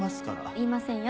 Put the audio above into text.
言いませんよ